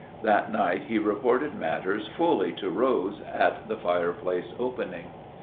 That night he reported matters fully to Rose at the fireplace opening.